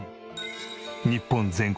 日本全国